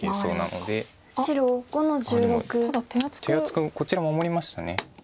でも手厚くこちら守りました。